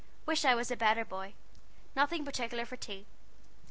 Wish I was a beter boy. Nothing pertikeler for tea.